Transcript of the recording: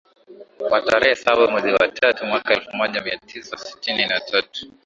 wa tarehe saba mwezi wa tatu mwaka elfu moja mia tisa sitini na tatu